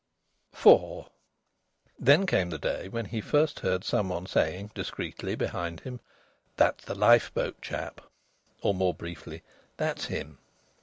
IV Then came the day when he first heard some one saying discreetly behind him: "That's the lifeboat chap!" Or more briefly: "That's him!"